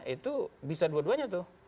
itu bisa dua duanya tuh